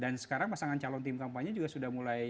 sekarang pasangan calon tim kampanye juga sudah mulai